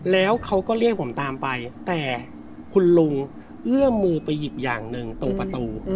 แล้วเขาก็เรียกผมตามไปแต่คุณลุงเอื้อมมือไปหยิบอย่างหนึ่งตรงประตู